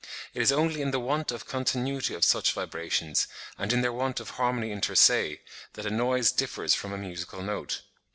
It is only in the want of continuity of such vibrations, and in their want of harmony inter se, that a noise differs from a musical note.